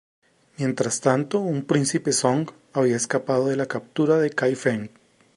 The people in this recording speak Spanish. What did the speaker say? Mientras tanto, un príncipe Song había escapado de la captura de Kaifeng.